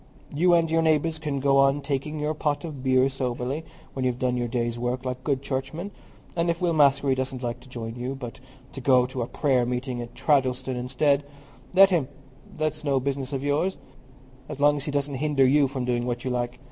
You and your neighbours can go on taking your pot of beer soberly, when you've done your day's work, like good churchmen; and if Will Maskery doesn't like to join you, but to go to a prayer meeting at Treddleston instead, let him; that's no business of yours, so long as he doesn't hinder you from doing what you like.